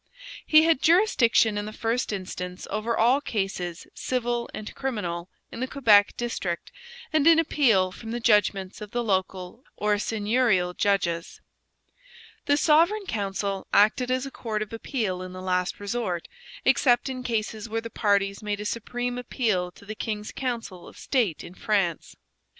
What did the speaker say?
He had jurisdiction in the first instance over all cases civil and criminal in the Quebec district and in appeal from the judgments of the local or seigneurial judges. The Sovereign Council acted as a court of appeal in the last resort, except in cases where the parties made a supreme appeal to the King's Council of State in France.